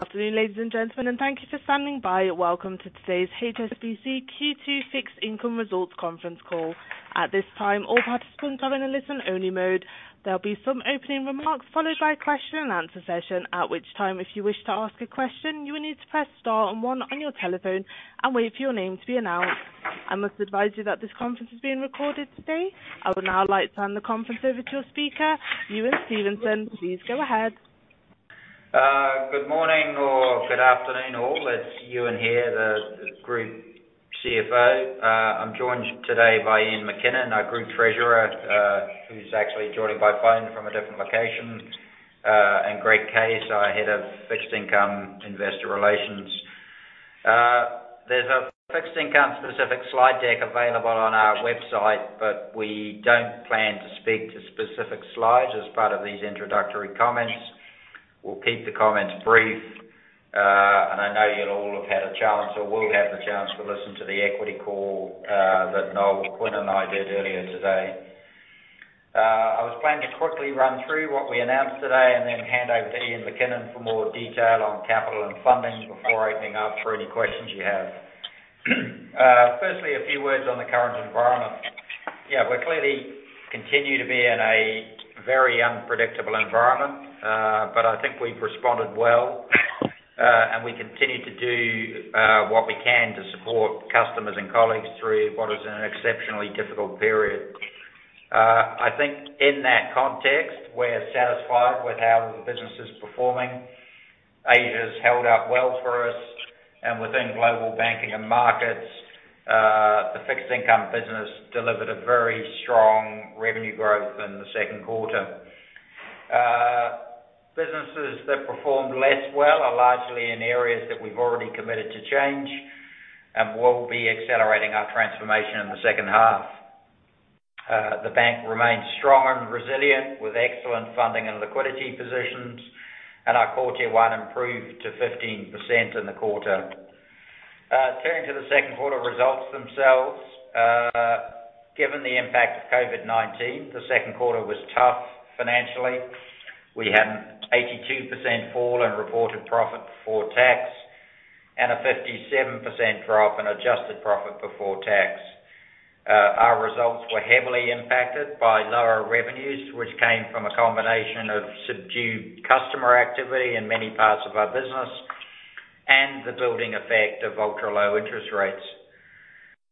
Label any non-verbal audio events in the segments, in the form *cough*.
Afternoon, ladies and gentlemen, and thank you for standing by. Welcome to today's HSBC Q2 Fixed Income Results Conference Call. At this time, all participants are in a listen-only mode. There'll be some opening remarks followed by a question and answer session, at which time, if you wish to ask a question, you will need to press star and one on your telephone and wait for your name to be announced. I must advise you that this conference is being recorded today. I would now like to turn the conference over to our speaker, Ewen Stevenson. Please go ahead. Good morning or good afternoon, all. It's Ewen here, the Group CFO. I'm joined today by Iain MacKinnon, our Group Treasurer, who's actually joining by phone from a different location, and Greg Case, our Head of Fixed Income Investor Relations. There's a Fixed Income-specific slide deck available on our website. We don't plan to speak to specific slides as part of these introductory comments. We'll keep the comments brief. I know you'll all have had a chance or will have the chance to listen to the equity call that Noel Quinn and I did earlier today. I was planning to quickly run through what we announced today and then hand over to Iain MacKinnon for more detail on capital and funding before opening up for any questions you have. Firstly, a few words on the current environment. We clearly continue to be in a very unpredictable environment. I think we've responded well, and we continue to do what we can to support customers and colleagues through what is an exceptionally difficult period. I think in that context, we're satisfied with how the business is performing. Asia's held up well for us. Within Global Banking and Markets, the Fixed Income business delivered a very strong revenue growth in the second quarter. Businesses that performed less well are largely in areas that we've already committed to change, and we'll be accelerating our transformation in the second half. The bank remains strong and resilient, with excellent funding and liquidity positions, and our Core Tier 1 improved to 15% in the quarter. Turning to the second quarter results themselves. Given the impact of COVID-19, the second quarter was tough financially. We had an 82% fall in reported profit before tax and a 57% drop in adjusted profit before tax. Our results were heavily impacted by lower revenues, which came from a combination of subdued customer activity in many parts of our business and the building effect of ultra-low interest rates.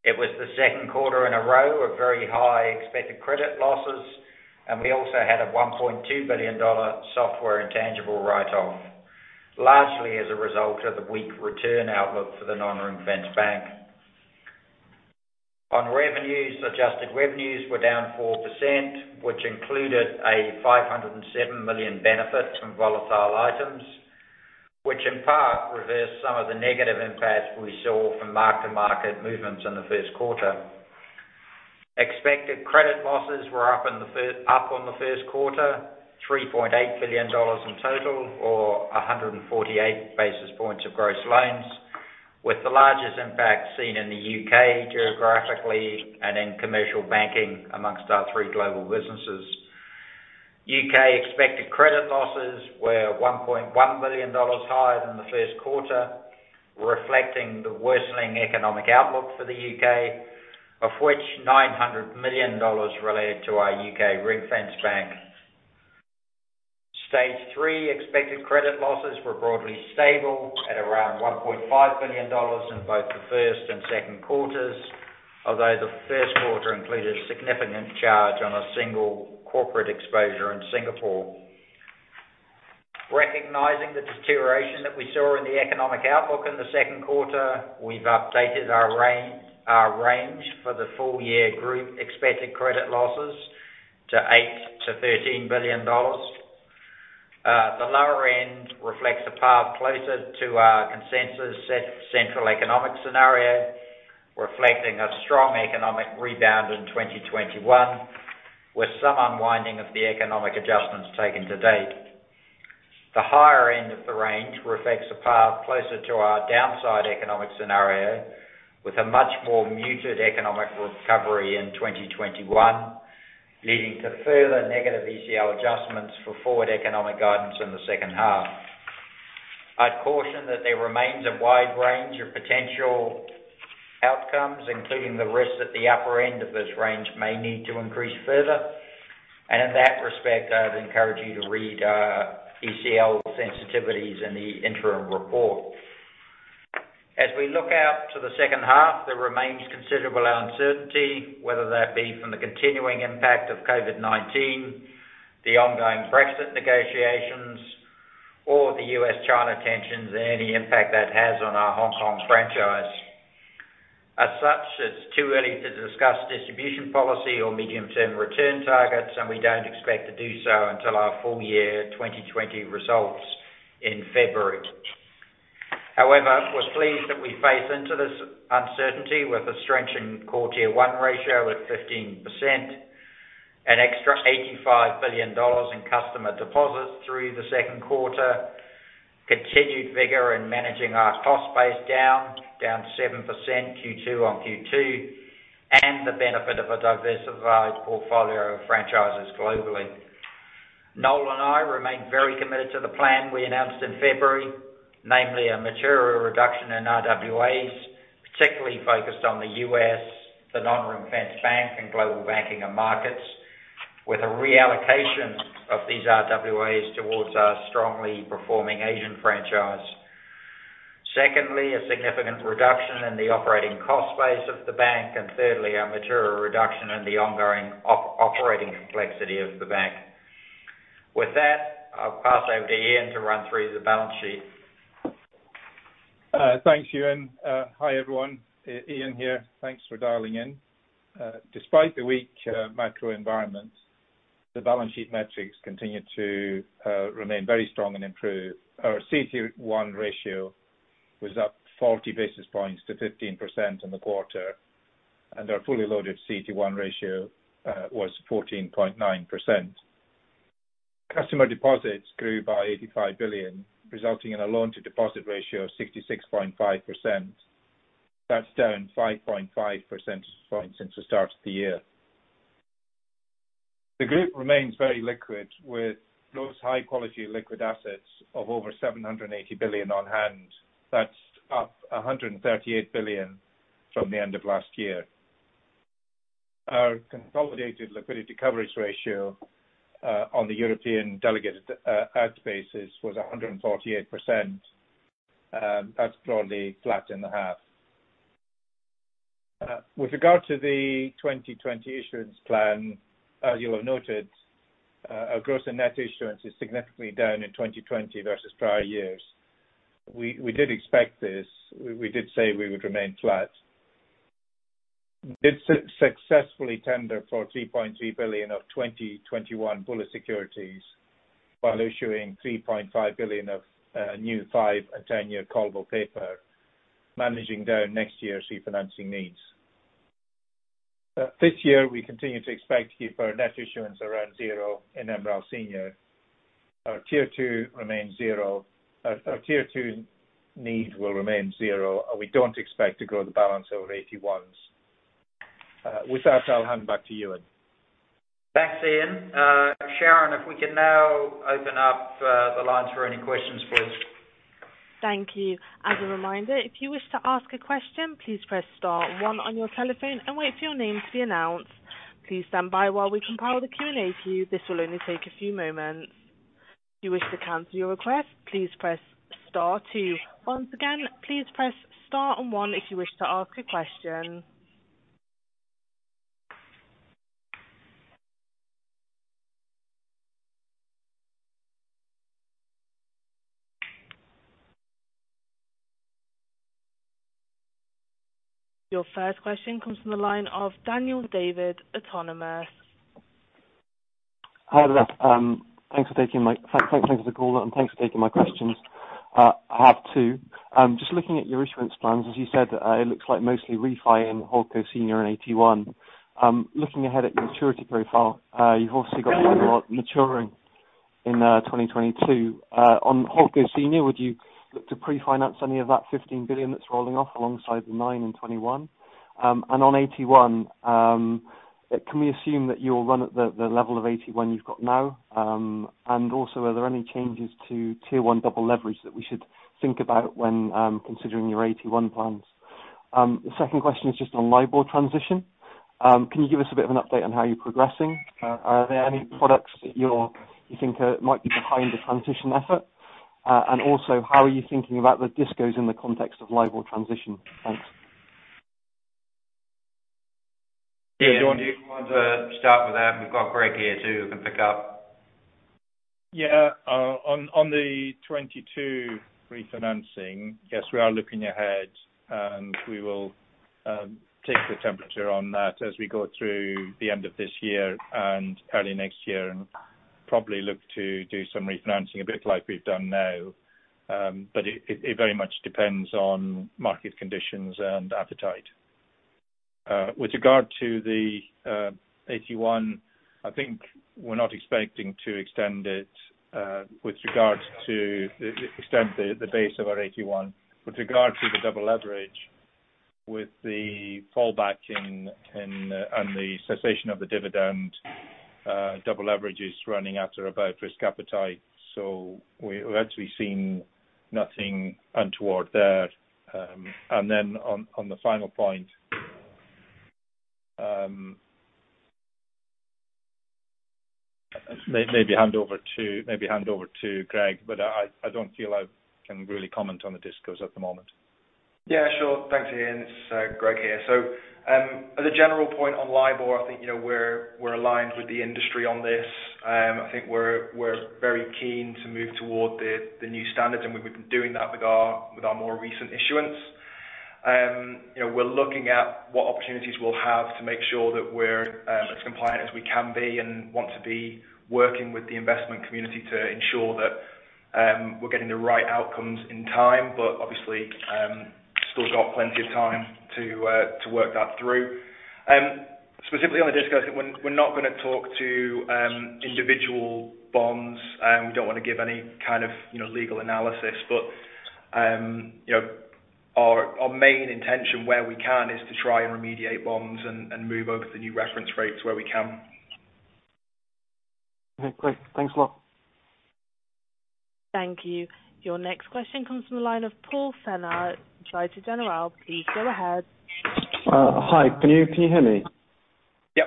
It was the second quarter in a row of very high expected credit losses, and we also had a $1.2 billion software intangible write-off, largely as a result of the weak return outlook for the non-ring-fenced bank. On revenues, adjusted revenues were down 4%, which included a $507 million benefit from volatile items, which in part reversed some of the negative impacts we saw from mark-to-market movements in the first quarter. Expected credit losses were up on the first quarter, $3.8 billion in total, or 148 basis points of gross loans, with the largest impact seen in the U.K. geographically and in Commercial Banking amongst our three global businesses. U.K. expected credit losses were $1.1 billion higher than the first quarter, reflecting the worsening economic outlook for the U.K., of which $900 million related to our U.K. ring-fenced bank. Stage 3 expected credit losses were broadly stable at around $1.5 billion in both the first and second quarters. Although the first quarter included a significant charge on a single corporate exposure in Singapore. Recognizing the deterioration that we saw in the economic outlook in the second quarter, we've updated our range for the full-year group expected credit losses to $8 billion-$13 billion. The lower end reflects a path closer to our consensus central economic scenario, reflecting a strong economic rebound in 2021, with some unwinding of the economic adjustments taken to date. The higher end of the range reflects a path closer to our downside economic scenario, with a much more muted economic recovery in 2021, leading to further negative ECL adjustments for forward economic guidance in the second half. I'd caution that there remains a wide range of potential outcomes, including the risk that the upper end of this range may need to increase further. In that respect, I would encourage you to read our ECL sensitivities in the interim report. As we look out to the second half, there remains considerable uncertainty, whether that be from the continuing impact of COVID-19, the ongoing Brexit negotiations, or the U.S.-China tensions and any impact that has on our Hong Kong franchise. As such, it's too early to discuss distribution policy or medium-term return targets, and we don't expect to do so until our full-year 2020 results in February. However, we're pleased that we face into this uncertainty with a strengthening Core Tier 1 ratio at 15%, an extra $85 billion in customer deposits through the second quarter, continued vigor in managing our cost base down 7% Q2-on-Q2. The benefit of a diversified portfolio of franchises globally. Noel and I remain very committed to the plan we announced in February, namely a material reduction in RWAs, particularly focused on the U.S., the non-ring-fenced bank, and Global Banking and Markets, with a reallocation of these RWAs towards our strongly performing Asian franchise. Secondly, a significant reduction in the operating cost base of the bank, and thirdly, a material reduction in the ongoing operating complexity of the bank. With that, I'll pass over to Iain to run through the balance sheet. Thanks, Ewen. Hi, everyone. Iain here. Thanks for dialing in. Despite the weak macro environment, the balance sheet metrics continue to remain very strong and improve. Our CET1 ratio was up 40 basis points to 15% in the quarter, and our fully loaded CET1 ratio was 14.9%. Customer deposits grew by $85 billion, resulting in a loan-to-deposit ratio of 66.5%. That's down 5.5 percentage points since the start of the year. The group remains very liquid, with those high-quality liquid assets of over $780 billion on hand. That's up $138 billion from the end of last year. Our consolidated liquidity coverage ratio on the European Delegated Act basis was 148%. That's broadly flat in the half. With regard to the 2020 issuance plan, as you have noted, our gross and net issuance is significantly down in 2020 versus prior years. We did expect this. We did say we would remain flat. We did successfully tender for $3.3 billion of 2021 bullet securities while issuing $3.5 billion of new five- and 10-year callable paper, managing down next year's refinancing needs. This year, we continue to expect to keep our net issuance around zero in MREL Senior. Our Tier 2 need will remain zero, and we don't expect to grow the balance over AT1s. With that, I'll hand it back to Ewen. Thanks, Iain. Sharon, if we can now open up the lines for any questions, please. Thank you. As a reminder, if you wish to ask a question, please press star one on your telephone and wait for your name to be announced. Please stand by while we compile the Q&A for you. This will only take a few moments. If you wish to cancel your request, please press star two. Once again, please press star and one if you wish to ask a question. Your first question comes from the line of Daniel David, Autonomous. Hi there. Thanks for the call, and thanks for taking my questions. I have two. Just looking at your issuance plans, as you said, it looks like mostly refi in HoldCo Senior and AT1. Looking ahead at your maturity profile, you've also got quite a lot maturing in 2022. On HoldCo Senior, would you look to pre-finance any of that $15 billion that's rolling off alongside the nine and 21? On AT1, can we assume that you'll run at the level of AT1 you've got now? Also, are there any changes to Tier 1 double leverage that we should think about when considering your AT1 plans? The second question is just on LIBOR transition. Can you give us a bit of an update on how you're progressing? Are there any products that you think might be behind the transition effort? How are you thinking about the DISCOs in the context of LIBOR transition? Thanks. Iain, do you want to start with that? We've got Greg here, too, who can pick up. On the 2022 refinancing, yes, we are looking ahead, and we will take the temperature on that as we go through the end of this year and early next year, and probably look to do some refinancing a bit like we've done now. It very much depends on market conditions and appetite. With regard to the AT1, I think we're not expecting to extend the base of our AT1. With regard to the double leverage, with the fallback and the cessation of the dividend, double leverage is running at or above risk appetite. We've actually seen nothing untoward there. On the final point, maybe hand over to Greg, but I don't feel I can really comment on the DISCOs at the moment. Yeah, sure. Thanks, Iain. It's Greg here. As a general point on LIBOR, I think we're aligned with the industry on this. I think we're very keen to move toward the new standards, and we've been doing that with our more recent issuance. We're looking at what opportunities we'll have to make sure that we're as compliant as we can be and want to be working with the investment community to ensure that we're getting the right outcomes in time, but obviously, still got plenty of time to work that through. Specifically on the DISCOs, we're not going to talk to individual bonds. We don't want to give any kind of legal analysis. Our main intention where we can is to try and remediate bonds and move over to the new reference rates where we can. Okay, great. Thanks a lot. Thank you. Your next question comes from the line of Paul Fenner, Societe Generale. Please go ahead. Hi. Can you hear me? Yep.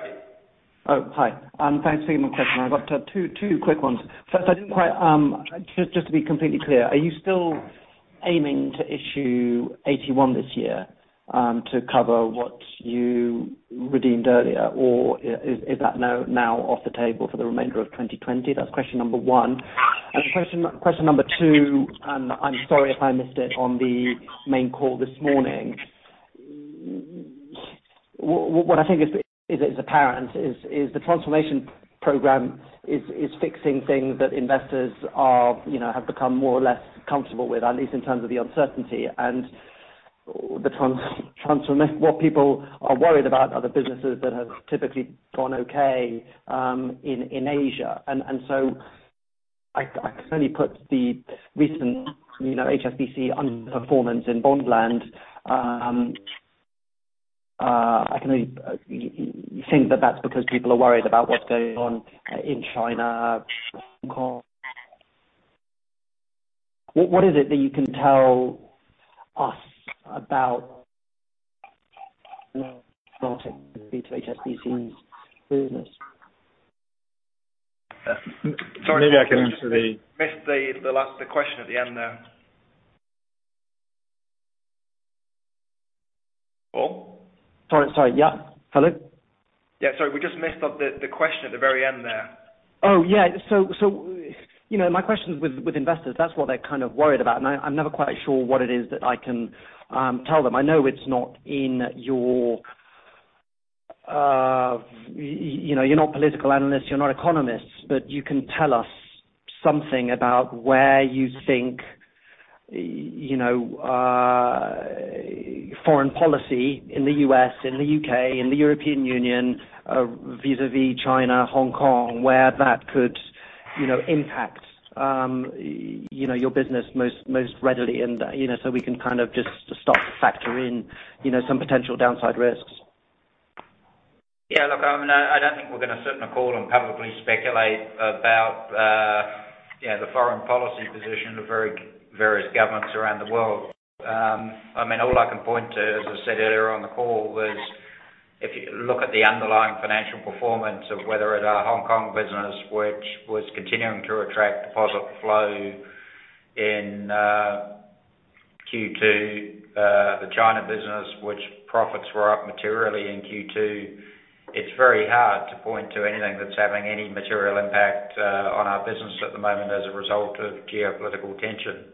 Oh, hi. Thanks for taking my question. I've got two quick ones. First, just to be completely clear, are you still aiming to issue AT1 this year to cover what you redeemed earlier, or is that now off the table for the remainder of 2020? That's question number 1. Question number 2, I'm sorry if I missed it on the main call this morning. What I think is apparent is the Transformation Program is fixing things that investors have become more or less comfortable with, at least in terms of the uncertainty. What people are worried about are the businesses that have typically gone okay in Asia. I can only put the recent HSBC underperformance in bond land. I can only think that that's because people are worried about what's going on in China, Hong Kong. What is it that you can tell us about? Sorry. Maybe I can answer the- Missed the question at the end there. Paul? Sorry. Yeah. Hello? Yeah, sorry. We just missed the question at the very end there. Oh, yeah. My question is with investors, that's what they're kind of worried about, and I'm never quite sure what it is that I can tell them. I know it's not in your You're not political analysts, you're not economists, but you can tell us something about where you think foreign policy in the U.S., in the U.K., in the European Union vis-a-vis China, Hong Kong, where that could impact your business most readily, so we can kind of just start to factor in some potential downside risks. Yeah, look, I don't think we're going to sit in a call and publicly speculate about the foreign policy position of various governments around the world. All I can point to, as I said earlier on the call, was if you look at the underlying financial performance of whether it our Hong Kong business, which was continuing to attract deposit flow in Q2, the China business, which profits were up materially in Q2, it's very hard to point to anything that's having any material impact on our business at the moment as a result of geopolitical tension.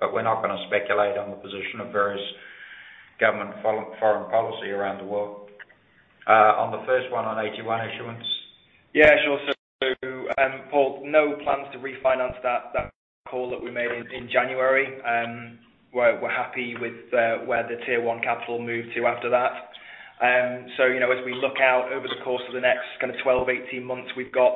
We're not going to speculate on the position of various government foreign policy around the world. On the first one on AT1 issuance. Yeah, sure. Paul, no plans to refinance that call that we made in January. We're happy with where the Tier 1 capital moved to after that. As we look out over the course of the next kind of 12, 18 months, we've got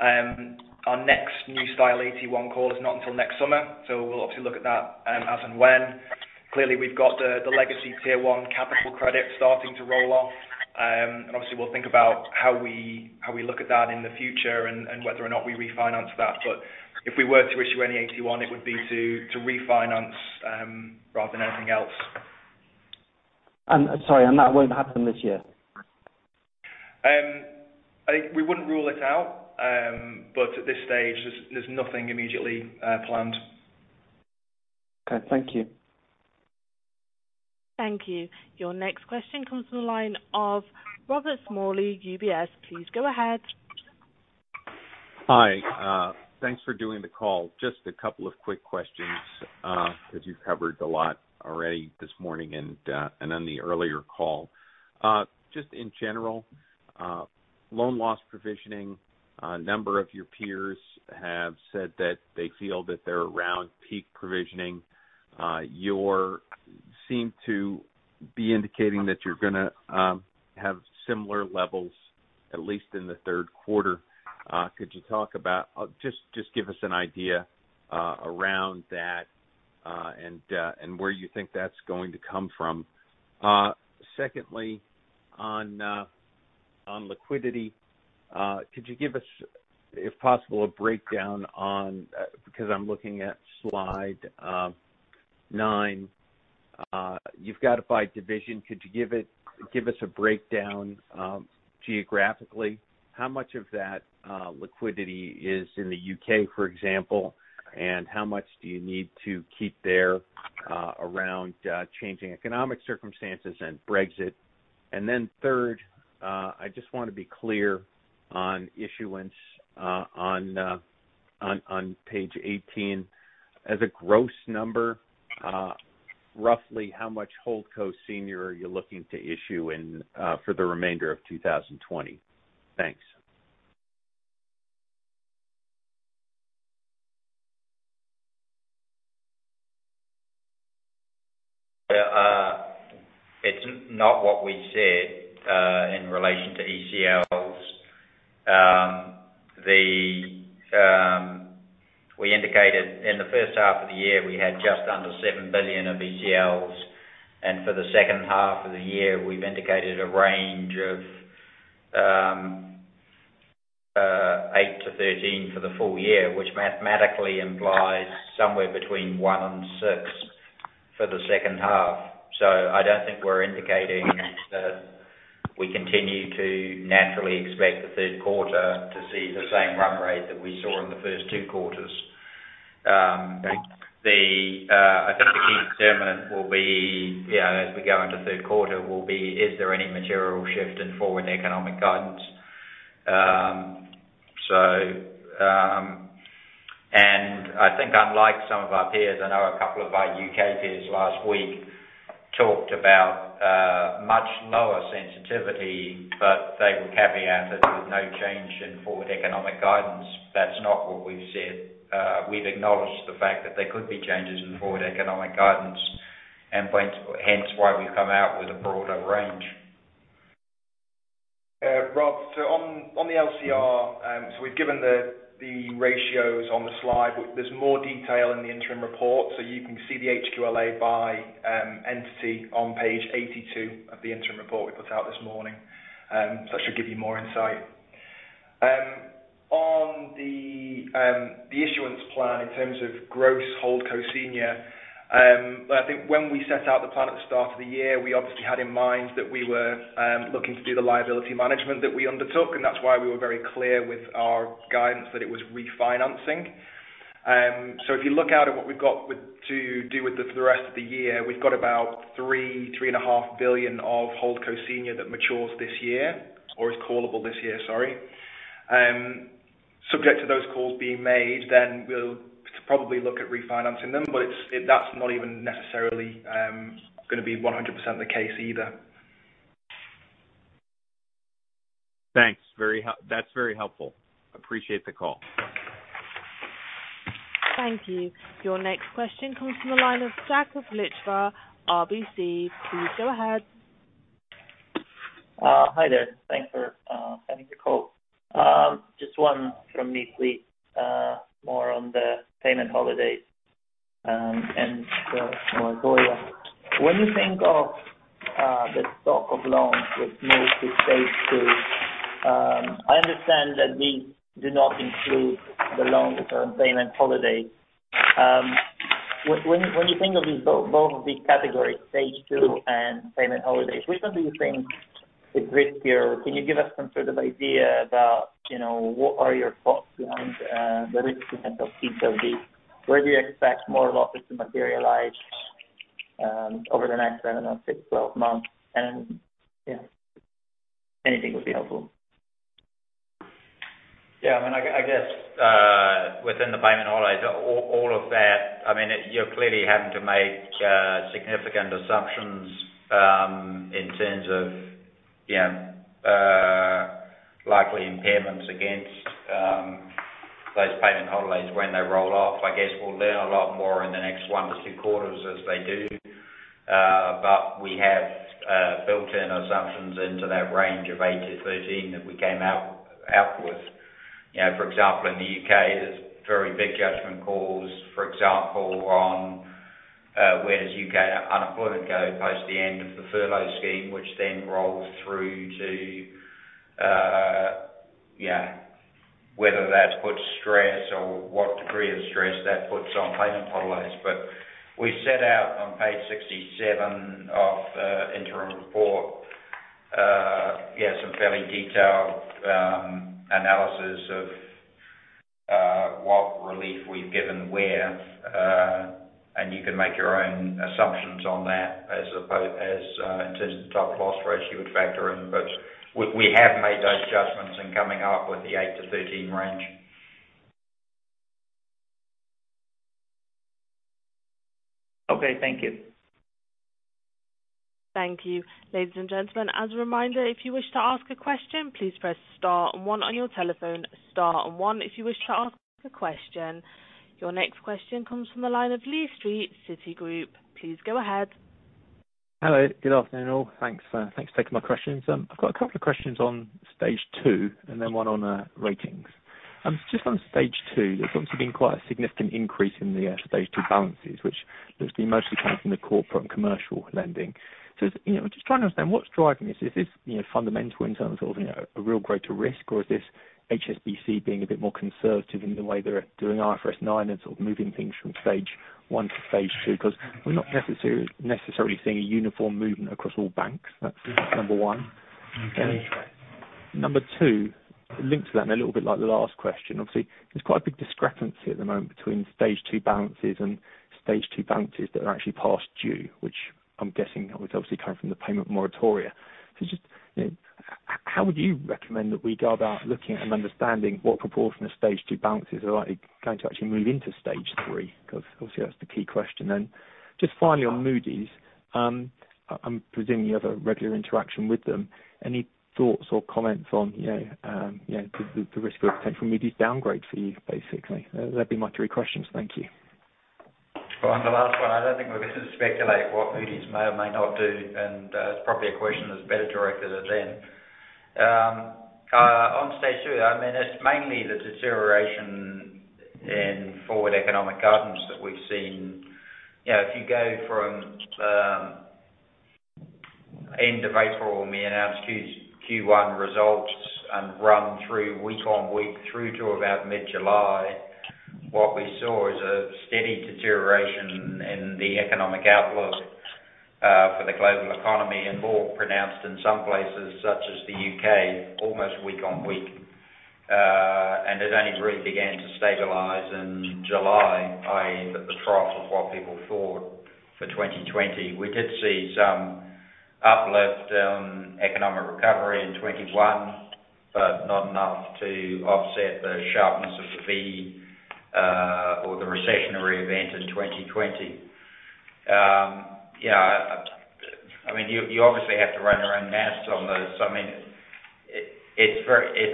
our next new style AT1 call is not until next summer. We'll obviously look at that as and when. Clearly, we've got the legacy Tier 1 capital credit starting to roll off. Obviously we'll think about how we look at that in the future and whether or not we refinance that. If we were to issue any AT1, it would be to refinance rather than anything else. Sorry, and that won't happen this year? We wouldn't rule it out. At this stage, there's nothing immediately planned. Okay. Thank you. Thank you. Your next question comes from the line of Robert Smalley, UBS. Please go ahead. Hi. Thanks for doing the call. Just a couple of quick questions, because you've covered a lot already this morning and on the earlier call. Just in general, loan loss provisioning. A number of your peers have said that they feel that they're around peak provisioning. You seem to be indicating that you're going to have similar levels, at least in the third quarter. Could you talk about, or just give us an idea around that and where you think that's going to come from? Secondly, on liquidity. Could you give us, if possible, a breakdown on, because I'm looking at slide nine. You've got it by division. Could you give us a breakdown geographically? How much of that liquidity is in the U.K., for example, and how much do you need to keep there around changing economic circumstances and Brexit? Third, I just want to be clear on issuance on page 18. As a gross number, roughly how much HoldCo Senior are you looking to issue for the remainder of 2020? Thanks. It's not what we said in relation to ECLs. We indicated in the first half of the year, we had just under $7 billion of ECLs. For the second half of the year, we've indicated a range of $8 billion-$13 billion for the full year, which mathematically implies somewhere between $1 billion and $6 billion for the second half. I don't think we're indicating that we continue to naturally expect the third quarter to see the same run rate that we saw in the first two quarters. I think the key determinant will be as we go into the third quarter, is there any material shift in forward economic guidance? I think unlike some of our peers, I know a couple of our U.K. peers last week talked about much lower sensitivity, but they would caveat that there was no change in forward economic guidance. That's not what we've said. We've acknowledged the fact that there could be changes in forward economic guidance, hence why we've come out with a broader range. Rob, on the LCR, we've given the ratios on the slide. There's more detail in the interim report, so you can see the HQLA by entity on page 82 of the interim report we put out this morning. That should give you more insight. On the issuance plan in terms of gross HoldCo Senior, I think when we set out the plan at the start of the year, we obviously had in mind that we were looking to do the liability management that we undertook, and that's why we were very clear with our guidance that it was refinancing. If you look out at what we've got to do with for the rest of the year, we've got about $3 billion-3.5 billion of HoldCo Senior that matures this year, or is callable this year, sorry. Subject to those calls being made, then we'll probably look at refinancing them, but that's not even necessarily going to be 100% the case either. Thanks. That's very helpful. Appreciate the call. Thank you. Your next question comes from the line of Chad Leicht, RBC. Please go ahead. Hi there. Thanks for taking the call. Just one from me, please. More on the payment holidays and for. *audio distortion* When you think of the stock of loans which move to Stage 2, I understand that these do not include the loans that are on payment holidays. When you think of both of these categories, Stage 2 and payment holidays, which one do you think is riskier? Can you give us some sort of idea about what are your thoughts behind the risk potential of these? Where do you expect more losses to materialize over the next, I don't know, six, 12 months? Yeah, anything would be helpful. I guess within the payment holidays, all of that, you're clearly having to make significant assumptions in terms of likely impairments against those payment holidays when they roll off. I guess we'll learn a lot more in the next one to two quarters as they do. We have built-in assumptions into that range of 8-13 that we came out with. For example, in the U.K., there's very big judgment calls. For example, on where does U.K. unemployment go post the end of the Furlough Scheme, which then rolls through to whether that puts stress or what degree of stress that puts on payment holidays. We set out on page 67 of the interim report some fairly detailed analysis of what relief we've given where, and you can make your own assumptions on that in terms of the type of loss ratio you would factor in. We have made those adjustments in coming up with the 8-13 range. Okay, thank you. Thank you. Ladies and gentlemen, as a reminder, if you wish to ask a question, please press star and one on your telephone, star and one if you wish to ask a question. Your next question comes from the line of Lee Street, Citigroup. Please go ahead. Hello. Good afternoon, all. Thanks for taking my questions. I've got a couple of questions on stage 2 and then one on ratings. Just on stage 2, there's obviously been quite a significant increase in the stage 2 balances, which has been mostly coming from the corporate and commercial lending. Just trying to understand what's driving this. Is this fundamental in terms of a real greater risk, or is this HSBC being a bit more conservative in the way they're doing IFRS 9 and moving things from stage 1 to stage 2? Because we're not necessarily seeing a uniform movement across all banks. That's number 1. Okay. Number 2, linked to that and a little bit like the last question, obviously, there's quite a big discrepancy at the moment between Stage 2 balances and Stage 2 balances that are actually past due, which I'm guessing is obviously coming from the payment moratoria. Just how would you recommend that we go about looking at and understanding what proportion of Stage 2 balances are likely going to actually move into Stage 3? Obviously that's the key question. Just finally on Moody's, I'm presuming you have a regular interaction with them. Any thoughts or comments on the risk of a potential Moody's downgrade for you, basically? That'd be my three questions. Thank you. On the last one, I don't think we're going to speculate what Moody's may or may not do, and it's probably a question that's better directed at them. On Stage 2, it's mainly the deterioration in forward economic guidance that we've seen. If you go from end of April when we announced Q1 results and run through week on week through to about mid-July, what we saw is a steady deterioration in the economic outlook for the global economy and more pronounced in some places such as the U.K., almost week on week. It only really began to stabilize in July, i.e., at the trough of what people thought for 2020. We did see some uplift on economic recovery in 2021, but not enough to offset the sharpness of the V or the recessionary event in 2020. You obviously have to run your own maths on those. It's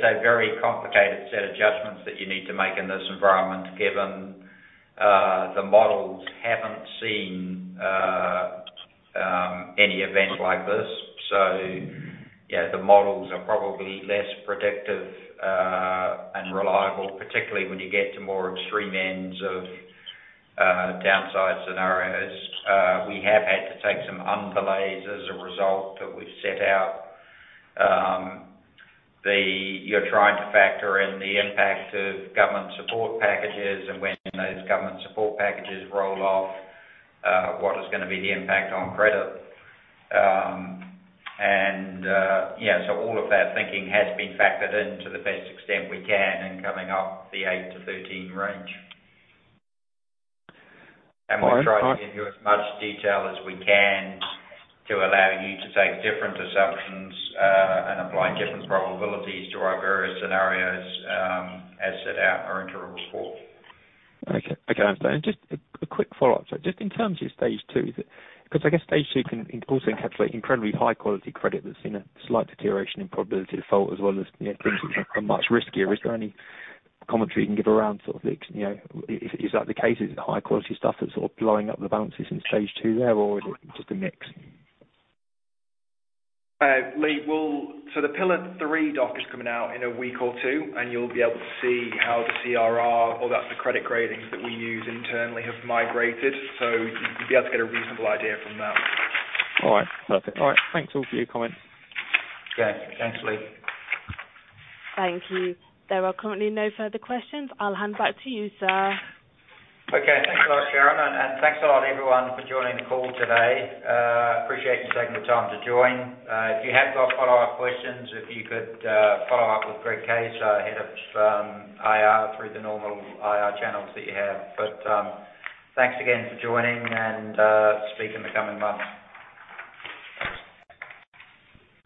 a very complicated set of judgments that you need to make in this environment, given the models haven't seen any event like this. The models are probably less predictive and reliable, particularly when you get to more extreme ends of downside scenarios. We have had to take some underlays as a result that we've set out. You're trying to factor in the impact of government support packages and when those government support packages roll off, what is going to be the impact on credit. All of that thinking has been factored in to the best extent we can in coming up the eight to 13 range. We'll try to give you as much detail as we can to allow you to take different assumptions and apply different probabilities to our various scenarios as set out in our interim report. Okay. I understand. Just a quick follow-up. Just in terms of stage 2, because I guess stage 2 can also encapsulate incredibly high-quality credit that's seen a slight deterioration in probability default as well as things which are much riskier. Is there any commentary you can give around sort of, is that the case? Is it the high-quality stuff that's sort of blowing up the balances in stage 2 there, or is it just a mix? Lee, the Pillar 3 doc is coming out in a week or two. You'll be able to see how the CRR or that's the credit ratings that we use internally have migrated. You'll be able to get a reasonable idea from that. All right, perfect. All right. Thanks all for your comments. Okay. Thanks, Lee. Thank you. There are currently no further questions. I'll hand back to you, sir. Okay. Thanks a lot, Sharon, and thanks a lot everyone for joining the call today. Appreciate you taking the time to join. If you have got follow-up questions, if you could follow up with Greg Case, our head of IR, through the normal IR channels that you have. Thanks again for joining, and speak in the coming months.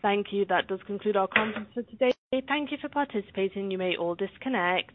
Thank you. That does conclude our conference for today. Thank you for participating. You may all disconnect.